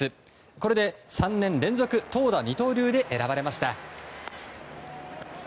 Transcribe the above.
これで３年連続投打二刀流で選ばれました。